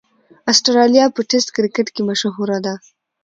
اسټرالیا په ټېسټ کرکټ کښي مشهوره ده.